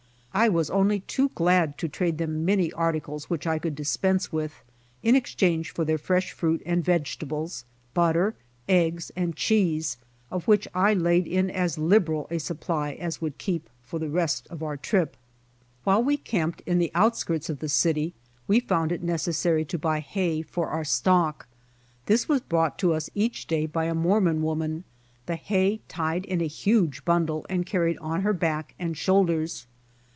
I was only too glad to trade them many articles, which I could dispense with in exchange for their fresh fruit and vegetables, butter, eggs and cheese of which Idaid in as liberal a supply as would keep for the rest of our trip. While we camped in the outskirts of the city, we AN OLD ACQUAINTANCE 103 found it necessary to buy hay for our stock. This was brought to us each day by a Mormon woman, the hay tied in a huge bundle and carried on her back and shoulders.